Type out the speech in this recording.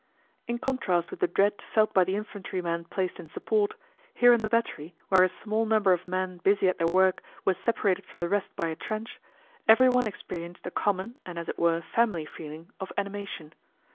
In contrast with the dread felt by the infantrymen placed in support, here in the battery where a small number of men busy at their work were separated from the rest by a trench, everyone experienced a common and as it were family feeling of animation.